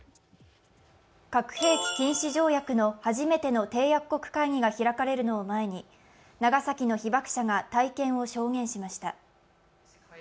核兵器禁止条約の初めての締約国会議が開かれるのを前に長崎の被爆者が体験を証言しました。